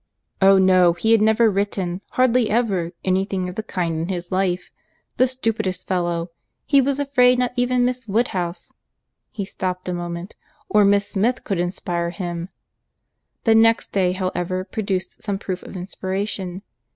"Oh no! he had never written, hardly ever, any thing of the kind in his life. The stupidest fellow! He was afraid not even Miss Woodhouse"—he stopt a moment—"or Miss Smith could inspire him." The very next day however produced some proof of inspiration.